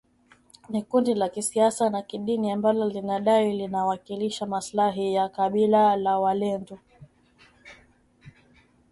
ni kundi la kisiasa na kidini ambalo linadai linawakilisha maslahi ya kabila la walendu